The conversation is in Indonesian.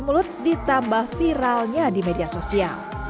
mulut ditambah viralnya di media sosial